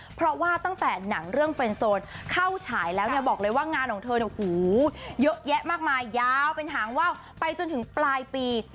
เพราะว่าตั้งแต่หนังเรื่องเฟรนโซนเข้าฉายแล้วเนี่ยบอกเลยว่างานของเธอเนี่ยโอ้โหเยอะแยะมากมายยาวเป็นหางว่าวไปจนถึงปลายปี